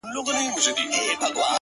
• ګوندي دی مي برابر د کور پر خوا کړي ,